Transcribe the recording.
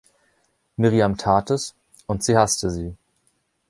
Miriam tat es, und sie hasste sie.